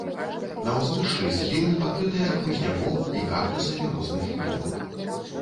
На ўзвышшы схілы пакрытыя хмызняком і кактусамі розных відаў.